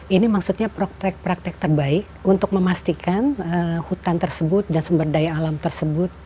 ini maksudnya praktek praktek terbaik untuk memastikan hutan tersebut dan sumber daya alam tersebut